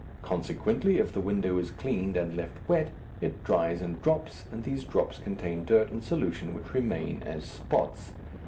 Consequently, if the window is cleaned and left wet, it dries in drops, and these drops contain dirt in solution which remain as spots.